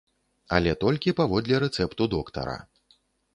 Але толькі паводле рэцэпту доктара.